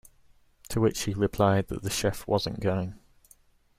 To which she replied that the chef wasn't going.